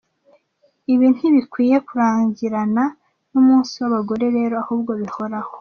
Ibi ntibikwiye kurangirana numunsi wabagore rero, ahubwo bihoraho.